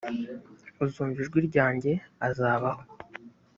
uzumva ijwi ryanjye azabaho